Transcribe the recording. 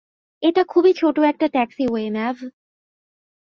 এটা খুবই ছোট একটা ট্যাক্সিওয়ে, ম্যাভ।